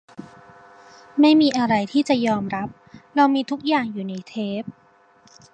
ไม่มีอะไรที่จะยอมรับ เรามีทุกอย่างอยู่ในเทป